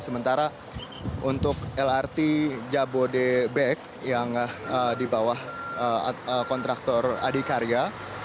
sementara untuk lrt jabodebek yang di bawah kontraktor adikarya